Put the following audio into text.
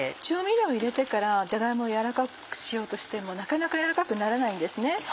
調味料を入れてからじゃが芋を軟らかくしようとしてもなかなか軟らかくならないんですね。